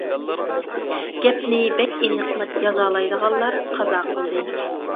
گەپنى بەك ئېنىق يازالايدىغانلار قازا قىلدى.